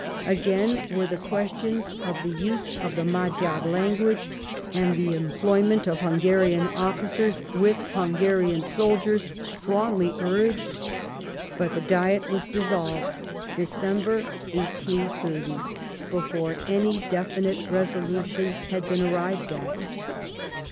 Again were the questions of the use of the Magyar language, and the 17G LIFE OF PBINCE METTEBNICE. employment of Hungarian officers with Hungarian soldiers strongly urged, but the Diet was dissolved (December, 1830) before any deiinite resolution had been arrived at.